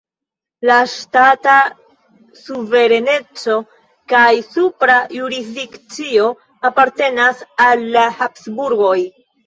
La ŝtata suvereneco kaj supera jurisdikcio apartenis al la Habsburgoj.